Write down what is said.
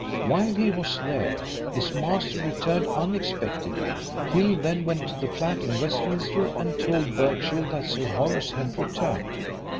While he was there his master returned unexpectedly. Hill then went to the flat in Westminster and told Birchill that Sir Horace had returned.